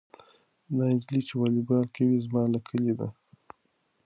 دا نجلۍ چې والیبال کوي زما له کلي ده.